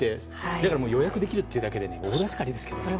だから予約をできるというだけで大助かりですよね。